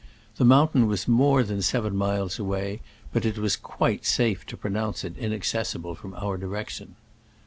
The mountain was more than seven miles away, but it was quite safe to pronounce it inaccessible from our direction.